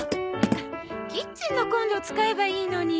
キッチンのコンロ使えばいいのに。